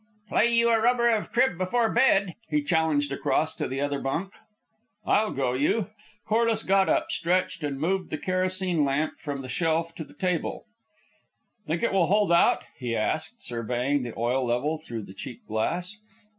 "Play you a rubber of crib before bed," he challenged across to the other bunk. "I'll go you." Corliss got up, stretched, and moved the kerosene lamp from the shelf to the table, "Think it will hold out?" he asked, surveying the oil level through the cheap glass.